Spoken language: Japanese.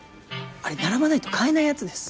あれ並ばないと買えないやつです。